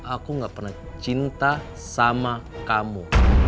aku gak pernah cinta sama kamu